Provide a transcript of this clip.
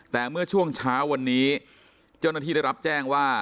แต่เมื่อช่วงเช้าวันนี้เจ้าหน้าที่ได้รับแจ้งว่า